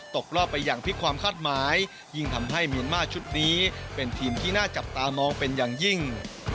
ตกรอบไปอย่างพลิกความคาดหมายยิ่งทำให้เมียนมาร์ชุดนี้เป็นทีมที่น่าจับตามองเป็นอย่างยิ่ง